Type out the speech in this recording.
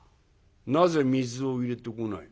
「なぜ水を入れてこない？」。